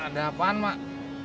ada apaan mak